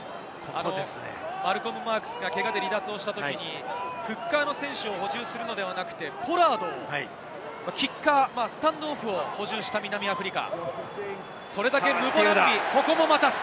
マルコム・マークスが、けがで離脱したときにフッカーの選手を補充するのではなくて、キッカーのポラードをスタンドオフで補充した南アフリカ。